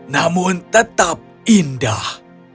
namun tetap indah